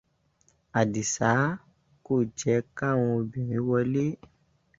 Àdìsá kò jẹ́ káwọn obìnrin wọlé.